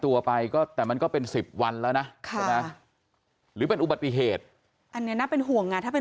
ตัวไปก็แต่มันก็เป็นสิบวันแล้วนะใช่ไหมหรือเป็นอุบัติเหตุอันนี้น่าเป็นห่วงไงถ้าเป็น